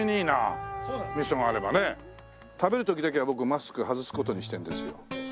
食べる時だけは僕マスク外す事にしてるんですよ。